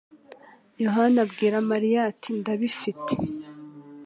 Yohana abwira Mariya ati: "Ndabifite!